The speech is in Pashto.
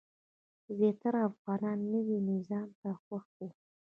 زیاتره افغانان نوي نظام ته خوښ وو.